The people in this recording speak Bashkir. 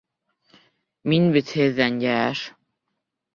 Мин бит һеҙҙән йәш!